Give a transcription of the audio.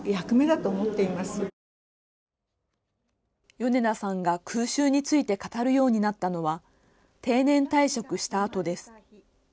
米田さんが空襲について語るようになったのは定年退職したあとです。